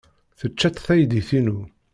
Tečča-tt teydit-inu.